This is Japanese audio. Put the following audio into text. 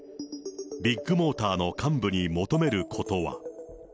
ビッグモーターの幹部に求めることは。